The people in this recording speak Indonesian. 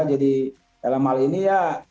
jadi elemal ini ya